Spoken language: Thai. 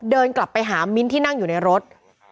เดินกลับไปหามิ้นท์ที่นั่งอยู่ในรถ